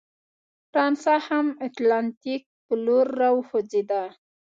فرانسه هم اتلانتیک په لور راوخوځېده.